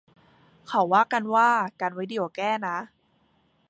เขาว่ากันว่า กันไว้ดีกว่าแก้นะ